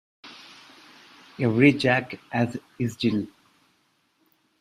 Every Jack has his Jill.